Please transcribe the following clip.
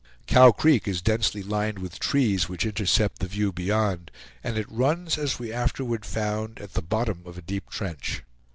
Cow Creek is densely lined with trees which intercept the view beyond, and it runs, as we afterward found, at the bottom of a deep trench.